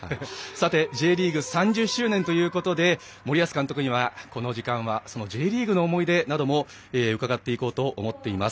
Ｊリーグ３０周年ということで森保監督にはこの時間はＪリーグの思い出も伺おうと思います。